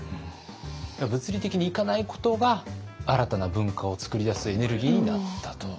物理的に行かないことが新たな文化を作り出すエネルギーになったと。